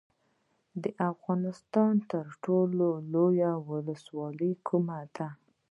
د افغانستان تر ټولو لویه ولسوالۍ کومه ده؟